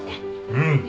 うん。